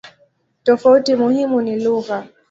Tofauti muhimu ni lugha.